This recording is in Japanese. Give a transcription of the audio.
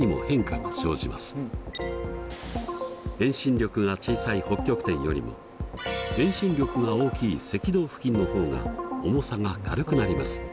遠心力が小さい北極点よりも遠心力が大きい赤道付近の方が重さが軽くなります。